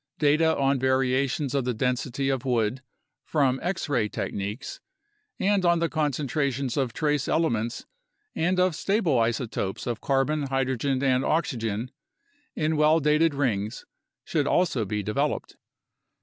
Data on variations of the density of wood from x ray techniques and on the concentrations of trace elements and of stable isotopes of carbon, hy drogen, and oxygen in well dated rings should also be developed.